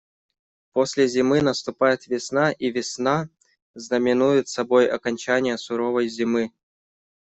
После зимы наступает весна, и весна знаменует собой окончание суровой зимы.